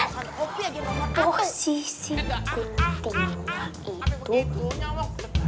posisi guntingnya itu